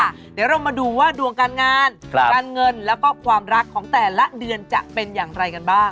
เดี๋ยวเรามาดูว่าดวงการงานการเงินแล้วก็ความรักของแต่ละเดือนจะเป็นอย่างไรกันบ้าง